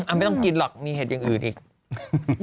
ไม่ต้องกินหรอกมีเห็ดอย่างอื่นอีก